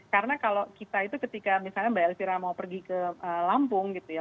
karena kalau kita itu ketika misalnya mbak elvira mau pergi ke lampung gitu ya